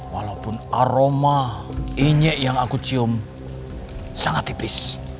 walaupun aroma injik yang aku cium sangat tipis